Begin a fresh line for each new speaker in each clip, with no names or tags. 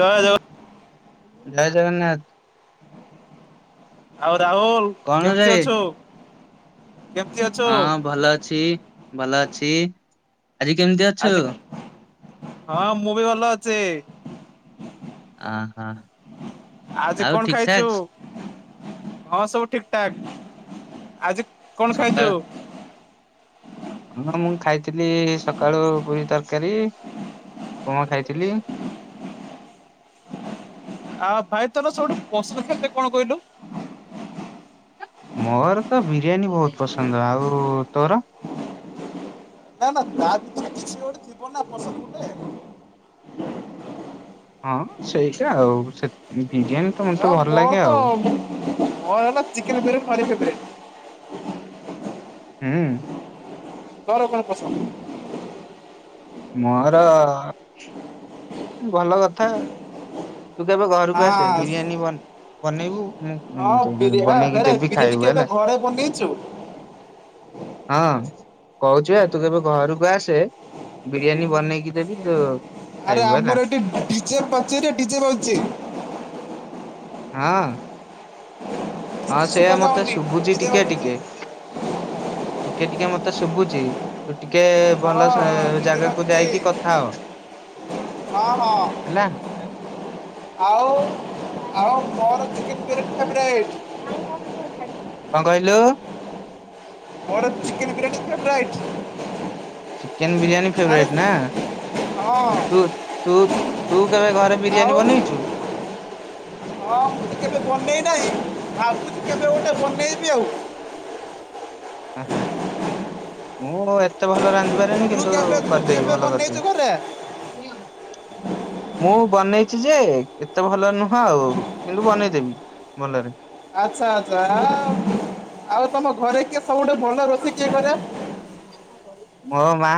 ଜୟ ଜଗ
ଜୟ ଜଗନ୍ନାଥ।
ଆଉ ରାହୁଲ
କଣ ରେ
କେମିତି ଅଛୁ। କେମିତି ଅଛୁ
ହଁ ଭଲ ଅଛି ଭଲ ଅଛି ଆଜି କେମିତି ଅ
ଆଜି ହଁ ମୁଁ ବି ଭଲ ଅଛି।
ଅହ
ଆଜି
ଆଉ
କଣ
ଠିକ
ଖାଇଛୁ।
ଠାକ୍
ହଁ ସବୁ ଠିକ ଠାକ ଆଜି କଣ ଖାଇଛୁ।
ସକାଳ ହଁ ମୁଁ ଖାଇଥିଲି ସକାଳୁ ପୁରୀ ତରକାରୀ ଉପମା ଖାଇଥିଲି।
ଆ ଭାଇ ତୋର ସବୁଠୁ ପସନ୍ଦ ଟା କଣ କହିଲୁ।
ମୋର ତ ବିରିୟାନୀ ବହୁତ ପସନ୍ଦ ଆଉ ତୋର।
ନା ନା ତା ଭିତରୁ କିଛି ଗୋଟେ ଥିବ ନା ପସନ୍ଦ ଗୋଟେ।
ହଁ ସେଇଟା ଆଉ ସେ ବିରିୟାନୀ ତ ମତେ ଭଲ ଲାଗେ ଆଉ।
ମୋରହେଲା ଚିକେନ ବିରିଆନି ଭାରି ଫେବରାଇଟ।
ହୁଁ।
ତୋର କଣ ପଶ୍
ମୋର ଭଲ କଥା ତୁ କେବେ ଘରକୁ ଆସେ
ହଁ
ବିରିୟାନୀ ବ ବନେଇବୁ
ହଁ
ମୁଁ ତ
ବିରିଆ
ବନେଇକି
ଆରେ
ଦେବି
ବିରିୟାନୀ
ଖାଇବୁ
କେବେ
ହେଲା।
ଘରେ ବନେଇଛୁ?
ହଁ କହୁଛୁ ବା ତୁ କେବେ ଘରକୁ ଆସେ ବିରିୟାନୀ ବନେଇକି ଦେବି ତୁ
ଆରେ
ଖାଇବୁ ହେଲା।
ଆମର ଏଠି ଡିଜେ ପଚରେ ଡିଜେ ବାଜୁଛି।
ହଁ। ହଁ
କିଛି
ସେଇଆା
ଶୁଭା
ମତେ
ଯାଉନି
ଶୁଭୁଛି
ଡିଜେ
ଟିକେ ଟିକେ
ବାଜୁଛି।
ଟିକେ ଟିକେ ମତେ ଶୁଭୁଛି। ତୁ ଟିକେ ଭଲ
ହଁ
ସେ
ଦିଦି
ଜାଗାକୁ
ରଖିଛି
ଯାଇକି କଥା ହୋ।
ହଁ ହଁ।
ହେଲା।
ଆଉ ଆଉ ମୋର ଚିକେନ ବିରିଆନି ଫେବ୍ରାଏଟ୍।
କଣ କହିଲୁ।
ମୋର chicken biryani favourite.
Chicken biryani favourite ନା।
ହଁ
ତୁ ତୁ ତୁ କେବେ ଘରେ
ଆଉ
ବିରିୟାନୀ ବନେଇଛୁ।
ହଁ ମୁଁ ତ କେବେ ବନେଇ ନାହିଁ ଭାବୁଛି କେବେ ଗୋଟେ ବନେଇବି ଆଉ।
ହ ହ ମୁଁ ଏତେ ଭଲ ରାନ୍ଧେ ନ୍ଧି ପାରନି
ତୁ
କିନ୍ତୁ
କେବେ ତୁ
କରିଦେବି
କେବେ
ଭଲ
ବନେଇଛୁ ଘରେ
କରିଦେବି। ମୁଁ ବନେଇଛି ଯେ ଏତେ ଭଲ ନୁହଁ ଆଉ କିନ୍ତୁ ବନେଇଦେବି। ଭଲରେ।
ଆଚ୍ଛା ଆଚ୍ଛା ଆ ଆଉ ତମ ଘରେ କିଏ ସବୁଠୁ ଭଲ ରୋଷେଇ କିଏ କରେ।
ମୋ ମା।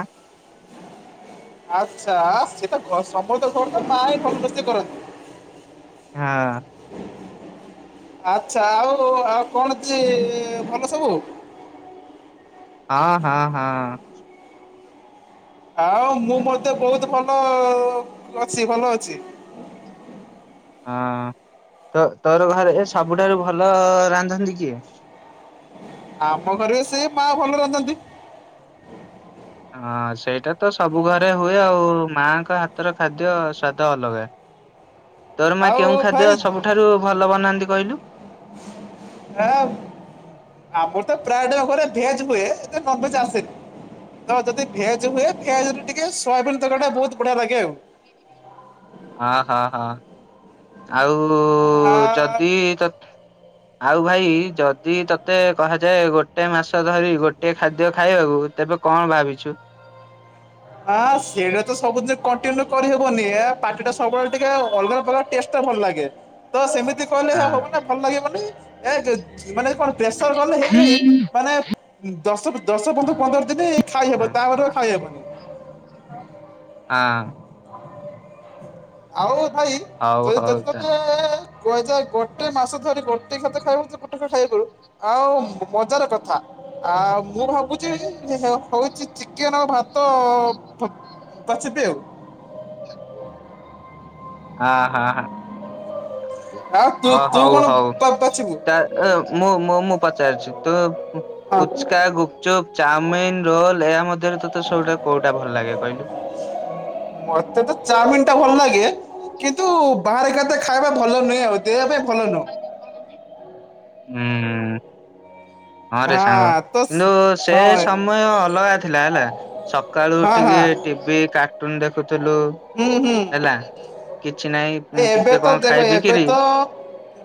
ଆଚ୍ଛା ଆ ସେତ ଘ ସମତେ କୁହନ୍ତି ମା ଭଲ ରୋସେଇ କରନ୍ତି।
ହଁ।
ଆଛା ଆଉ ଆଉ କଣ ଚି ଭଲ ସବୁ।
ହଁ ହଁ ହଁ।
ଆଉ ମୁଁ ମଧ୍ଯ ବହୁତ ଭଲ
[inaudible]
ଅଛି ଭଲ ଅଛି।
ହଁ ତ ତୋର ଘରେ ସବୁଠାରୁ ଭଲ ରାନ୍ଧନ୍ତି କିଏ?
ଆମ ଘରେ ସେ ମା ଭଲରେ ରାନ୍ଧନ୍ତି।
ହଁ ସେଇଟା ତ ସବୁ ଘରେ ହୁଏ, ଆଉ ମାଆଙ୍କ ହାତର ଖାଦ୍ୟ ସ୍ଵାଦ ଅଲଗା। ତୋର ମା କେଉଁ
ଆଉ
ଖାଦ୍ୟ
ଭାଇ
ସବୁଠାରୁ ଭଲ ବନାନ୍ତି କହିଲୁ?
[unintelligible] ଆମର ତ ପ୍ରାୟ ଟ ଘରେ ଭେଜ ହୁଏ, [unintelligible] ନନଭେଜ ଆସେନି। ହଁ ଯଦି ଭେଜ ହୁଏ ଭେଜରେ ଟିକେ ସୋୟାବିନ ତରକାରୀ ଟା ବହୁତ ବଢିଆ ଲାଗେ ଆଉ।
ହଁ ହଁ ହଁ ଆଉ
ଆ
ଯଦି ତତେ ଆଉ ଭାଇ ଯଦି ତତେ କୁହାଯାଏ ଗୋଟେ ମାସ ଧରି ଗୋଟେ ଖାଦ୍ୟ ଖାଇବୁ ତେବେ କଣ ଭାବିଛୁ?
ହଁ ସେଇଟା ତ ସବୁ ଜିନ କଣ୍ଟିନ୍ୟୁ କରିହେବନି, ଏ ପାଟି ଟା ସବୁବେଳେ ଟିକେ ଅଲଗା ପ୍ରକାର ଟେଷ୍ଟ ଭଲ ଲାଗେ ତ ସେମିତି କହିଲେ ହେ
ହଁ
ହବନ ଭଲ ଲାଗିବନି ମାନେ ଏ [unintelligible] ପ୍ରେସର କଲେ ହେଇ ହୋଇ ମାନେ ଦଶ ଦଶ ପନ୍ଦର ପନ୍ଦର ତେବେ
ହଁ
ଖାଇହବ ତାପରେ ଖାଇହବନି।
ହଁ।
ଆଉ ଭାଇ
ହଉ
ତୁ
ହଉ ତାହେଲେ
[unintelligible] କୁହାଯାଏ ଗୋଟେ ମାସ ଧରି ଗୋଟେ ଖାଦ୍ୟ ଖାଇବ ଗୋଟେ [unintelligible] ଖାଇବୁ ଆଉ ମଜାର କଥା ଆଉ ମୁଁ ଭାବୁଚି ହଉଚି ଚିକେନ ଆଉ ଭାତ। [unintelligible]
ହଁ ହଁ
ଆଉ ତୁ
ହ ହ
ତୁ
ହଉ
କଣ
ହଉ
ବା- ବାଛିବୁ
ତା ଏ ମୁଁଁ ମୁଁ ପଚାରୁିଛି ତୁ
ହଁ
ଫୁଚୁକା ଗୁପ୍ ଚୁପ୍ ଚାଉମିନ ଲେ ମଧ୍ୟରେ ତତେ ସବୁଟା କୋଉଟା ଭଲ ଲାଗେ କହିଲୁ?
ମତେ ତ ଚାଉମିନ ଟା ଭଲ ଲାଗେ, କିନ୍ତୁ ବାହାରେ ଖାଦ୍ୟ ଖାଇବା ଭଲ ନୁହେଁ, ଆଉ ଦେହ ପାଇଁ ଭଲ ନୁହଁ।
[unintelligible] ହୁଁ ହୁଁ। ହଁ ରେ ସାଙ୍ଗ
ତ
କିନ୍ତୁ
ସ-
ସେ
ହଁ
ସମୟ ଅଲଗା ଥିଲା ହେଲା। ସକାଳୁ
ହଁ
ଉଠିକି
ହଁ
ଟିଭି କାର୍ଟୁନ ଦେଖୁଥିଲୁ,
ହୁଁ ହୁଁ
ହେଲା। କିଛି ନାହିଁ।
ଏବେ
ଟିକେ
ତ
କଣ
ଦେଖ
ଖାଇ
ଏବେ
ପିଇକିରି
ତ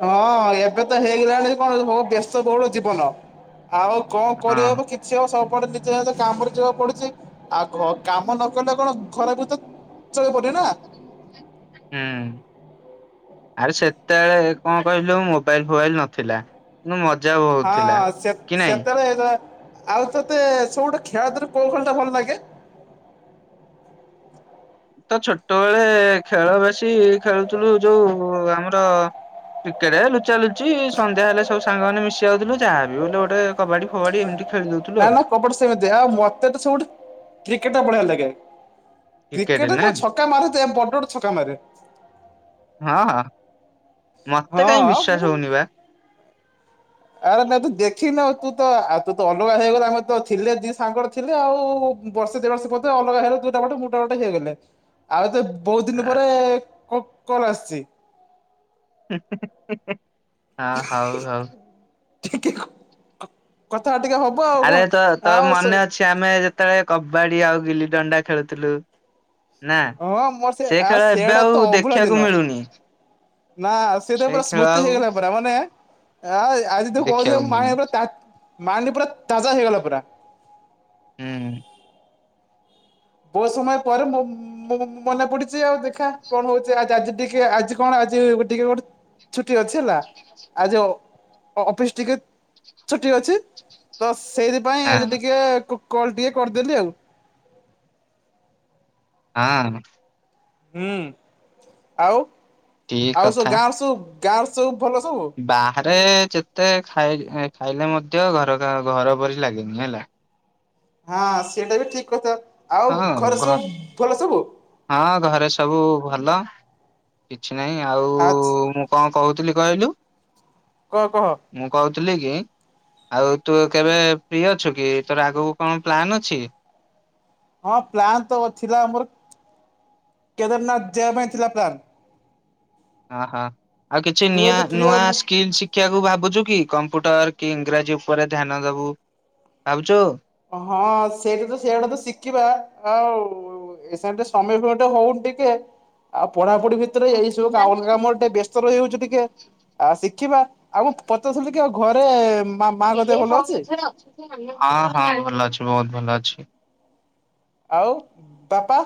ହଁ ଏବେ ତ ହେଇଗଲାଣି କଣ ସ ବ୍ୟସ୍ତ ବହୁଳ ଜୀବନ। ଆଉ କଣ କରି
ହଁ
[unintelligible] ସ ଆ ସବୁପଟେ ନିଜେ ନିଜ କାମରେ ଯିବାକୁ ପଡୁଛି ଆଉ କାମ ନ କଲେ କଣ ଘ [unintelligible] [unintelligible]
ହୁଁ। ଆରେ ସେତେବେଳେ କଣ କହିଲୁ ମୋବାଇଲ ଫୋବାଇଲ ନଥିଲା। [unintelligible]
ହଁ
କି ନାଇଁ
ସେତରେ ଆଉ ତତେ ସବୁ ଗୋଟେ ଖେଳଦରେ କୋଉ ଖେଳ ଟା ଭଲ ଲାଗେ?
ତ ଛୋଟବେଳେ ଖେଳ ବେଶୀ ଖେଳୁଥିଲୁ ଯୋଉ ଆମର କ୍ରିକେଟ ଲୁଚା ଲୁଚି ସନ୍ଧ୍ୟା ହେଲେ ସବୁ ସାଙ୍ଗ ମାନ ମିଶି ଯାଉଥିଲୁ ଯାହାବି ହେଲେ ଗୋଟେ କବାଡି ଫବାଡି ଏମିତି ଖେଳି ଦଉଥିଲୁ
ନା
ଆଉ
ନା କପଟ ଦେହ ଆଉ ମତେ ତ ସବୁଠି କ୍ରିକେଟ ଟା ବଢ଼ିଆ ଲାଗେ। କ୍ରିକେଟ ରେ କ ଛକା ମାର ବଡ ବଡେ ଛକା ମାରେ।
ହଁ ହଁ ମତେ କାହିଁ
ହଁ
ବିଶ୍ଵାସ
ମୁଁ
ହଉନି ବା।
ଆରେ ନାଇଁ ତୁ ଦେଖିନ ତୁ ତ ଆଉ ତୁ ତ ଅଲଗା ହେଇଗଲା ଆ ତ ଥିଲେ ଦି ସାଙ୍ଗ ଥିଲେ ଆଉ ବର୍ଷେ ଦି ବର୍ଷେ ଅଲଗା ହେଲେ ଦୁଇଟା ବାଟେ [unintelligible] ବାଟେ ହେଇଗଲେ।
ହ
ଆଉ ଏତେ ବହୁତ ଦିନ ପରେ କଲ ଆସିଛି।
ହଁ ହଉ ହଉ।
[unintelligible]
ଆରେ ତୋ-ତୋର
ଆଉ
ମନେ ଅଛି ଆମେ ଯେତେବେଳେ କବାଡି ଆଉ ଗିଲିଦଣ୍ଡା ଖେଳୁଥିଲୁ? ନା,
ହଁ ମୋର
ସେ
ଆ
ଖେଳ ଏବେ
ସେଆଡା
ଆଉ ଦେଖିବାକୁ ମିଳୁନି।
ନାଁ, ସେଟା
ସେ
ପୁରା
ଖେଳ
ସ୍ମୃତି
ଆଉ
ହେଇଗଲା, ପୁରା ମାନେ ଆ ଆଜି ତୁ କହୁଥିଲ
ଦେଖିବାକୁ
ମାଇନ
ମିଳୁନି
ପୁରା ତା ମାଇଣ୍ଡ ପୁରା ତାଜା ହେଇଗଲା ପୁରା।
ହୁଁ।
ବହୁତ ସମୟ ପରେ ମୁଁ ମୋ-ମୋ-ମନେ ପଡିଛି ଆଉ ଦେଖିଆ କଣ ହଉଛି ଆ-ଆଜି ଟିକେ ଆଜି କଣ ଆଜି ଟିକେ ଗୋଟେ ଛୁଟି ଅଛି ହେଲା। ଆଜି ଅପ୍-ଅଫିସ୍ ଟିକେ ଛୁଟି ଅଛି ତ ସେଇଥିପାଇଁ ଆଜି
ହଁ
ଟିକେ କ-କଲ୍ ଟିକେ କରିଦେଲି ଆଉ।
ହଁ।
ହୁଁ। ଆଉ
ଠିକ
ଆଉ ସବୁ
କଥା।
ଗାଁରେ ସବୁ ଗାଁରେ ସବୁ ଭଲ ସବୁ?
ବାହାରେ ଯେତେ ଖାଇ ଖାଇଲେ ମଧ୍ୟ ଘର ଖାଇଆ ଘର ପରି ଲାଗେନି ହେଲା।
ହଁ, ସେଇଟା ବି ଠିକ କଥା। ଆଉ
ହଁ
ଘରେ
ଘ
ସବୁ ଭଲ ସବୁ?
ହଁ, ଘରେ ସବୁ ଭଲ। କିଛି ନାହିଁ ଆଉ
ଆଛା
ମୁଁ କଣ କହୁଥିଲି କହିଲୁ?
କହ କହ।
ମୁଁ କହୁଥିଲି କି ଆଉ ତୁ କେବେ ଫ୍ରି ଅଛୁ କି, ତୋର ଆଗକୁ କଣ ପ୍ଲାନ୍ ଅଛି?
ହଁ, ପ୍ଲାନ୍ ତ ଥିଲା ଆମର, କେଦାରନାଥ ଯିବା ପାଇଁ ଥିଲା ପ୍ଲାନ୍।
ଓହୋ। ଆଉ କିଛି
ତୁ
ନିଆଁ
ଯଦି ଫ୍ରି
ନୂଆ
ହବୁ
ସ୍କିଲ୍ ଶିକ୍ ଶିଖିଆକୁ ଭାବୁଛୁ କି, କମ୍ପ୍ୟୁଟର କି ଇଂରାଜୀ ଉପରେ ଧ୍ୟାନ ଦବୁ, ଭାବୁଛୁ?
ହଁ, ସେଇଟା ତ ସେଇଆଡେ ତ ଶିଖିବା ଆଉ ଏସାର ଟିକେ ସମୟ ଫମୟ ଟିକେ ହଉନି ଟିକେ ଆଉ ପଢାପଢି ବି ଭିତେରେ ଏଇ ସବୁ କାମ ଲୋ କାମ ଟିକେ ବ୍ୟସ୍ତ ରହିଯାଉଛି ଟିକେ ଆଉ ଶିଖିବା, ଆଉ ମୁଁ ପଚାରୁଥିଲି ଟିକେ ଆଉ ଘରେ ମାମ
ହେ [unintelligible] ହଁ ହଁ, ଭଲ ଅଛି ବହୁତୁ ଭଲ ଅଛି।
ଆଉ ବାପା?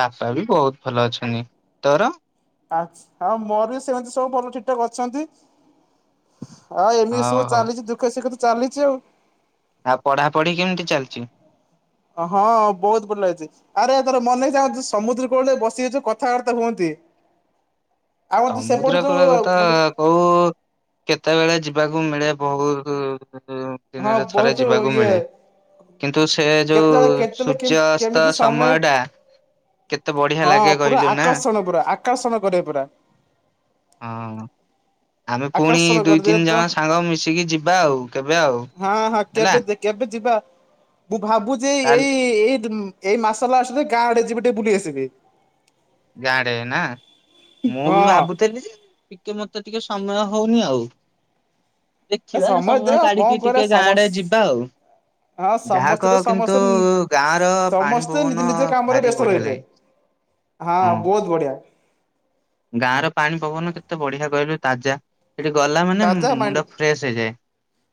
ବାପା ବି ବହୁତ ଭଲ ଅଛନ୍ତି। ତୋର?
ଆଚ୍ଛ, ଆଉ ମୋର ବି ସେମିତି ସବୁ ଭଲ ଠିକଠାକ୍ ଅଛନ୍ତି ଆଉ ଏମିତି
ହଉ
ସବୁ
ହଉ
ଚାଲିଚି, ଦୁଃଖେ ସୁଖେ ତ ଚାଲିଚି ଆଉ।
ଆଉ ପଢାପଢି କେମତି ଚାଲିଚି?
ହଁ ହଁ, ବହୁତୁ ଭଲ ହେଇଚି। ଆରେ ଏ ତୋର ମନେ ଅଛି ଆମେ ଯୋଉ ସମୁଦ୍ର କୂଳରେ ବସି ଯାଇଛୁ କଥାବାର୍ତ୍ତା ହୁଅନ୍ତି। ଆମର ଯୋଉ ସେପଟେ ଯୋଉ
ସମୁଦ୍ରକୂଳ କଥା
ମାନେ
ଓ, କେତେବେଳେ ଯିବାକୁ ମିଳେ ବହୁତୁ କେତେଜଣ
ହଁ
ଦିନରେ ଥରେ
ବହୁତ
ଯିବାକୁ
ଇଏ
ମିଳେ। କିନ୍ତୁ ସେ ଯୋଉ
କେତେବେଳେ କେତେବେଳେ କେମ
ସୂର୍ଯ୍ୟ ଅସ୍ତ
କେମିତି ସମୟ
ସମୟଟା କେତେ ବଢିଆ ଲାଗେ କହିଲୁ ନା?
ତା ସମୟ ପରେ ପରା।
ହଁ ହଁ। ଆମେ ପୁଣି
ଆକର୍ଷଣ
ଦୁଇ
କରିଦିଏ
ତିନି
ତ
ଜଣ ସାଙ୍ଗ ମିଶିକି ଯିବା ଆଉ, କେବେ ଆଉ।
ହଁ ହଁ
ହେଲା।
କେବେ ଦେ କେବେ ଯିବା? ମୁଁ ଭାବୁଚି
ତାହେଲେ
ଏ-ଏଇ ଏଇ ଏଇ ମାସ ଲାଷ୍ଟେରେ ଗାଁ ଆଡେ ଯିବି ଟିକେ ବୁଲି ଆସିବି।
ଗାଁ ଆଡେ ନା? ମୁଁ ବି
ହଁ
ଭାବୁଥିଲି ଯେ, ଟିକେ ମତେ ଟିକେ ସମୟ ହଉନି ଆଉ।
ଏ
ଦେଖିବା,
ଦେ
ସମୟ
ଆଉ କଣ
କାଢିକି
କରିବା
ଟିକେ
ସମ
ଗାଁଡେ ଯିବା ଆଉ।
ହଁ
ଯାହା
ସମସ୍ତେ ତ
କହ
ସମସ୍ତେ
କିନ୍ତୁ ଗାଁର ପାଣି
ସମସ୍ତେ ନିଜ
ପବନ
ନିଜ କାମରେ
ଭାରି
ବ୍ୟସ୍ତ
ବଢିଆ
ରହିଲେ।
ଲାଗେ। [inaudible]
ହଁ, ବହୁତ ବଢିଆ।
ଗାଁର ପାଣି ପବନ କେତେ ବଢିଆ କହିଲୁ, ତାଜା। ସେଠି ଗଲା ମାନେ
ତାଜା ମାଇଣ୍ଡ
ମୁ-ମୁଣ୍ଡ ଫ୍ରେଶ ହେଇଯାଏ।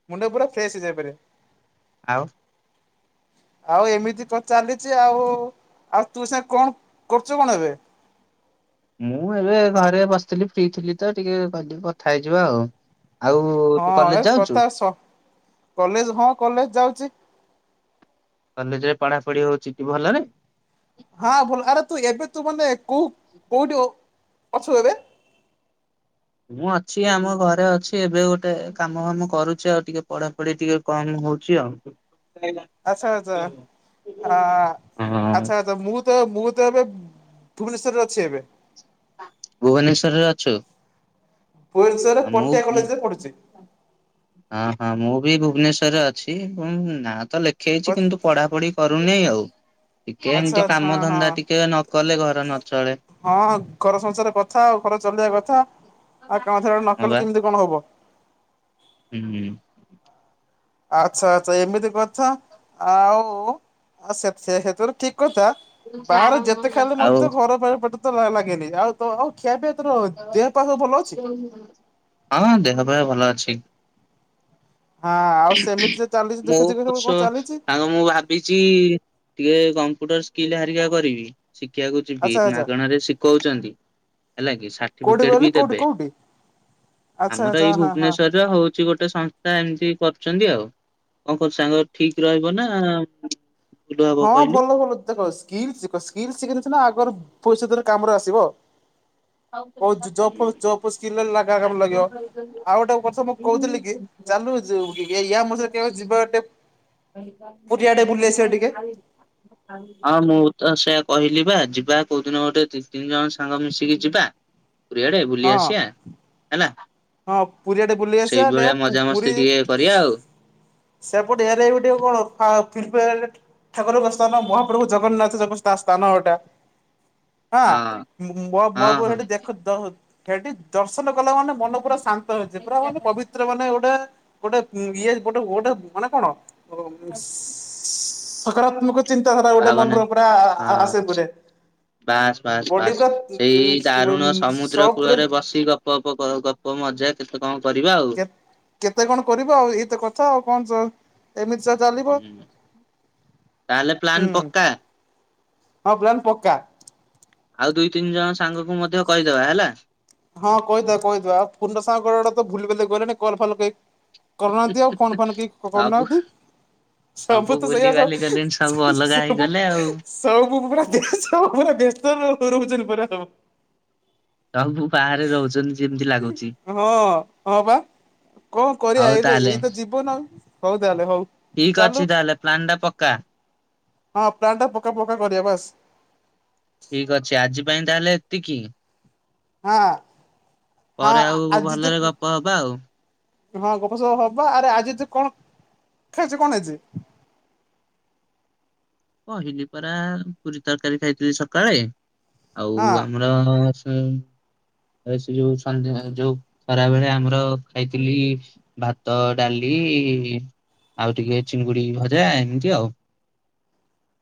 ମୁଣ୍ଡ ପୁରା ଫ୍ରେଶ ହେଇଯାଇପାରିବ।
ଆଉ।
ଆଉ ଏମିତି ତ ଚାଲିଛି ଆଉ, ଆଉ ତୁ ସାକଣ କରୁଛୁ କଣ ଏବେ?
ମୁଁ ଏବେ ଘରେ ବସିଥିଲି ଫ୍ରି ଥିଲି ତ ଟିକେ କଇଲି କଥା ହେଇଯିବା ଆଉ। ଆଉ ତୁ
ହଁ ଏ
କଲେଜ ଯାଉଛୁ?
କଥା ସ କଲେଜ ହଁ କଲେଜ ଯାଉଛି।
କଲେଜ ରେ ପଢାପଢି ହଉଛି ଟି ଭଲରେ?
ହଁ ଭଲ ଆରେ ତୁ ଏବେ ତୁ ମାନେ କୋଉ କୋଉଠୁ ଅ ଅଛୁ ଏବେ?
ମୁଁ ଅଛି ଆମ ଘରେ ଅଛି। ଏବେ ଗୋଟେ କାମ ଫାମ କରୁଛି ଆଉ ଟିକେ ପଢାପଢି ଟିକେ କମ ହଉଛି ଆଉ।
ଆଚ୍ଛା ଆଚଛା ଆ
ହଁ
ଆଚ୍ଛା ଆଚ୍ଛା ମୁଁତ୍ ତ ମୁଁ ତ ଏବେ ଭୁବନେଶ୍ଵରରେ ଅଛି ଏବେ।
ଭୁବନେଶ୍ୱର ରେ ଅଛୁ।
ଭୁବନେଶ୍ୱରରେ
ମୁଁ
ପଟିଆ କଲେଜରେ ପଢୁଛି
[unintelligible] ହଁ ହଁ ମୁଁ ବି ଭୁବନେଶ୍ଵରେ ଅଛି। ହୁଁ ହୁଁ ନାଁ ତ ଲେଖେଇଚି କିନ୍ତୁ ପଢାପଢି କରୁନି ଆଉ, ଟିକେ
ଆଚ୍ଛା
ଏମିତି
ଆଚ୍ଛା
କାମ
ହଁ।
ଧନ୍ଦା ଟିକେ ନ କଲେ ଘର ନଚଳେ।
ହଁ ଘର ସଂସାର କଥା ଆଉ ଘର ଚଲେଇବା କଥା ଆଉ କାମ [unintelligible]
ହଁ
ନକଲେ
ବା
କେମିତି କଣ ହବ।
ହୁଁ ହୁଁ।
ଆଚ୍ଛା ଆଚ୍ଛା ଏମିତି କଥା। ଆଉ ସେ ସେତେ ହେତୁରୁ ଠିକ କଥା। ବାହାରେ ଯେତେ ଖାଇଲେ
ଆଉ
ମଧ୍ୟ ଘର ପାଇଁ ପେଟ ତୋ ଲାଗେନି ଆଉ ତ ଆଉ ଖିଆ ପିଆ ତୋର ଦେହ ପା ସବୁ ଭଲ ଅଛି।।?
ହୁଁ। ହଁ ଦେହ ପାଆ ଭଲ ଅଛି।
ହଁ ଆଉ
[unintelligible] ପିଚି
ସେମିତି ଯେ ଚାଲିଛି
ଟିକେ
ଦୁଃଖ ସୁଖ ସବୁ କଣ ଚାଲିଛି
କମ୍ପ୍ୟୁଟର ସ୍କିଲ୍ ହାରିକା କରିବି। ଶିଖିବାକୁ ଯିବି
ଆଚ୍ଛା ଆଚ୍ଛା।
ମାଗଣାରେ ଶିଖଉଛନ୍ତି। ହେଲା କି
କୋଉଠି
ସାର୍ଟିଫିକେଟ ବି
କହିଲୁ କୋଉଠି
ଦେବେ
କୋଉଠି ଆଚ୍ଛା
ଆମର
ଆଚ୍ଛା
ଏଇ
ହଁ ହଁ।
ଭୁବନେଶ୍ଵରରେ ହଉ ଛି ଗୋଟେ ସଂସ୍ଥା ଏମିତି କରୁଛନ୍ତି ଆଉ କନ୍ କହୁଚୁ ସାଙ୍ଗ ଠିକ ରହିବ ନା ଉଁ
ହଁ ଭଲ ଭଲ ଦେଖ ସ୍କିଲ୍ ଶିଖ ସ୍କିଲ୍ ଶିଖିନେ ସିନା ଆଗରେ ଭାବିଷତରେ କାମରେ ଆସିବ। କଉଚି ଜବ ଫପ ଜବ ସ୍କିଲ ରେ ଲାଗା [unintelligible] ଲାଗିବ ଆଉ ଗୋଟେ କଥା ମୁଁ କହୁଥିଲି କି? ଚାଲୁ ଯ ୟା ମଝିରେ କେବେ ଯିବା ଗୋଟେ ପୁରୀ ଆଡେ ବୁଲି ଆସିବା ଟିକେ
ହଁ ମୁଁ ତ ସେୟା କହିଲି ବା ଯିବା କୋଉ ଦିନ ଗୋଟେ ଦି ତିନି ଜଣ ସାଙ୍ଗ ମିଶିକି ଯିବା। ପୁରି ଆଡେ ବୁଲି
ହଁ
ଆସିଆ ହେଲା।
ହଁ ପୁରୀ ଆଡେ ବୁଲି ଆସିଆ ଟେ
ସେଇଭଳିଆ ମଜାମସ୍ତି
ପୁରୀ
ଟିକେ କରିବା ଆଉ।
[unintelligible] ଠାକୁରଙ୍କ ସ୍ଥାନ ମହାପ୍ରଭୁ ଜଗନ୍ନାଥ ଜ ସ୍ଥାନ ଏଟା। ହାଁ
ହଁ
ମୋ ମୋ
ହଁ
ମୋ ପୁଅ
ହଁ
ହେଟି ଦେଖି ଦେଖ ସେଠି ଦର୍ଶନ କଲା ମାନେ ମନ ପୁରା ଶାନ୍ତ ହେଇଚି ପୁରା ମାନେ ପବିତ୍ର ମାନେ ଗୋଟେ ଗୋଟେ ଇଏ ଗୋଟେ ଗୋଟେ ମାନେ କଣ? ଓ ମିସ ସ ସ ସ ସକାରାତ୍ମକ ଚିନ୍ତାଧାରା ଗୋଟେ
ଭାବନା
ମନର ପୁରା
ହଁ
ଆସେ ପୁରେ।
ବାସ୍ ବାସ୍ ବାସ୍ ସେଇ ଦାରୁଣ ସମୁଦ୍ର
ସପରେ
କୂଳରେ ବସି ଗପ ପ ପ ପ ଗପ ମଜା କେତେ କଣ କରିବା ଆଉ। ହୁଁ
କେତେ କଣ କରିବ ଆଉ ଏଇତ କଥା ଆଉ କଣ ଚ ଏମିତି ଚା ଚାଲି
ହୁଁ ତାହେଲେ
ହୁଁ
ପ୍ଲାନ ପକ୍କା।
ହଁ ପ୍ଲାନ୍ ପକା।
ଆଉ ଦୁଇ ତିନି ଜଣ ସାଙ୍ଗକୁ ମଧ୍ୟ କହିଦବା ହେଲା।
ହଁ କହିଦେବା କହିଦବା ଆଉ ପୁରନା ସାଙ୍ଗ ଗୁଡ଼ା ତ ଭୁଲି ଭାଲି ଗଲେଣି କଲ ଫଲ କେଇ କରୁନାହାନ୍ତି ଆଉ ଫୋନ୍ ଫାନ କେଇ
ସବୁ
କରୁନାଆନ୍ତି। ସବୁ ତ ସେଇଆ
ଭୁଲି
ସ
ବାଲି
[unintelligible]
ଗଲେଣି
ସବୁ
ଅଲଗା
ସବୁ।
ହେଇଗଲେ ଆଉ।
ସବୁ ପୁରା ବ୍ୟସ୍ତ ରହୁଛନ୍ତି ପୁରା ସବୁ।
ସବୁ ବାହାରେ ରହୁଚନ୍ତି ଯେମିତି ଲାଗୁଚି।
ହଁ। ହଁ ବା। କଣ କରିବା
ହଉ
ଏଇ ବା
ତାହେଲେ
ଏଇତ ଜୀବନ ହଉ ତାହେଲେ ହଉ।
ଠିକ
ଚାଲୁ
ଅଛି ତାହେଲେ ପ୍ଲାନଟା ପକା।
ହଁ ପ୍ଲାନ୍ ଟା ପକା ପକା କରିବା ବାସ।
ଠିକ ଅଛି ଆଜି ପାଇଁ ତାହେଲେ ଏତିକି।
ହଁ। ହଁ
ପରେ ଆଉ
ଆଜି ତ
ଭଲରେ ଗପ ହବା ଆଉ
ହଁ ଗପସପ ହବ ଆରେ ଆଜି ତୁ କଣ ଖାଇଚୁ କଣ ଆଜି?
କହିଲି ପରା ପୁରୀ ତରକାରୀ ଖାଇଥିଲି ସକାଳେ ଆଉ
ହଁ।
ଆମ ମଟର ଛୁଇଁ। ଏ ସେ ଯୋଉ ସନ୍ଧ୍ୟା ଯୋଉ ଖରାବେେଳେ ଆମର ଖାଇଥିଲି ଭାତ ଡାଲି ଇ ଈ ଆଉ ଟିକେ ଚିଙ୍ଗୁଡି ଭଜା ଏମିତି ଆଉ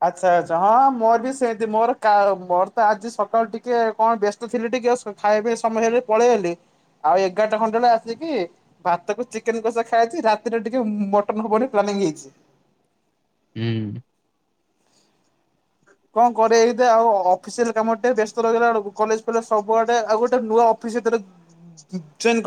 ଆଚ୍ଛା ଆଚ୍ଛା ହଁ ମୋର ବି ସେଏତି ମୋର କା ମୋର ତ ଆଜି ସକାଳୁ ଟିକେ କଣ ବ୍ୟ ତ ଥିଲି ଟିକେ ଖାଇବା ପାଇ ସମୟ ହେଲେ ପଳେଇ ଆଇଲି ଆଉ ଏଗାରଟା ଖଣ୍ଡେ ଏଳେ ଆସି କି ଭାତକୁ ଚିକେନ କଷା ଖାଇଛି ରାତିରେ ଟିକେ ମଟନ ହବ ବୋଲି ପ୍ଲାନିଂ ହେଇଚି।
ହୁଁ।
କଣ କରିବା ଏଇଦ ଆଉ ଅଫିସିଆଲ କାମ ଟିକେ ବ୍ୟସ୍ତ ରହିଲା ଆଳକୁ କଲେଜ ଫଲେଜ୍ ସବୁଆଡେ ଆଉ ଗୋଟେ ନୂଆ ଅ [inaudible]